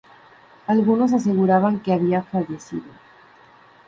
Algunos aseguraban que había fallecido.